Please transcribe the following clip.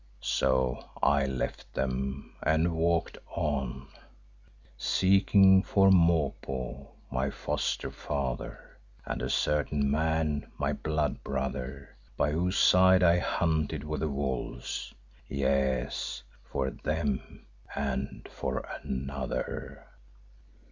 So I left them and walked on, seeking for Mopo, my foster father, and a certain man, my blood brother, by whose side I hunted with the wolves, yes, for them, and for another."